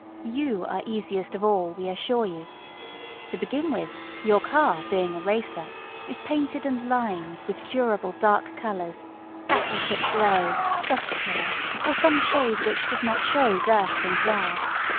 You are easiest of all, we assure you; to begin with, your car being a racer, is painted and lined with durable dark colours battleship grey, dust colour, or some shade which does not show dirt and wear.